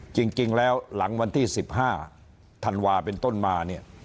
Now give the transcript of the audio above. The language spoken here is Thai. จริงแล้วหลังวันที่๑๕ธันวาเป็นต้นมาเนี่ย